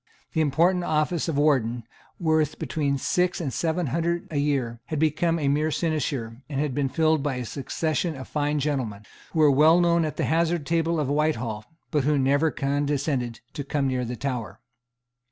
The important office of Warden, worth between six and seven hundred a year, had become a mere sinecure, and had been filled by a succession of fine gentlemen, who were well known at the hazard table of Whitehall, but who never condescended to come near the Tower.